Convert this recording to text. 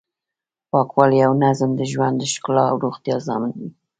پاکوالی او نظم د ژوند د ښکلا او روغتیا ضامن دی.